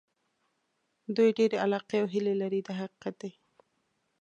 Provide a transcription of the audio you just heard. دوی ډېرې علاقې او هیلې لري دا حقیقت دی.